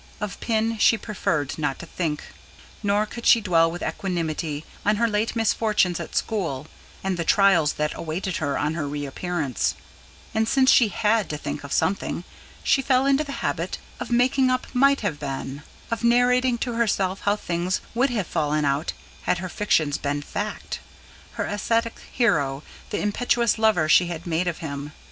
Of Pin she preferred not to think; nor could she dwell with equanimity on her late misfortunes at school and the trials that awaited her on her reappearance; and since she HAD to think of something, she fell into the habit of making up might have been, of narrating to herself how things would have fallen out had her fictions been fact, her ascetic hero the impetuous lover she had made of him.